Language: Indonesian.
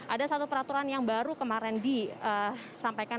ada satu peraturan yang baru kemarin disampaikan